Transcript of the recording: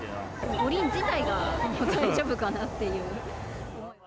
五輪自体が大丈夫かなっていう。